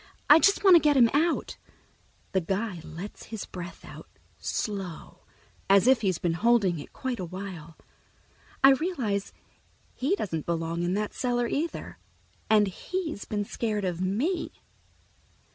I just want to get him out." The guy lets his breath out, slow, as if he's been holding it quite a while. I realize he doesn't belong in that cellar either, and he's been scared of me.